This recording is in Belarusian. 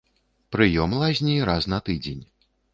Прыём лазні раз на тыдзень.